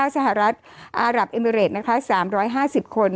สหรัฐอารับเอมิเรด๓๕๐คน